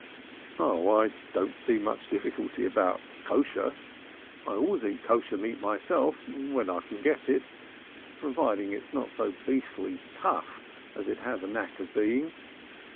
"Oh, I don't see much difficulty about Koshers. I always eat kosher meat myself when I can get it, providing it's not so beastly tough as it has a knack of being.